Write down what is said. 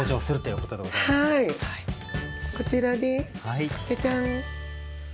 こちらです。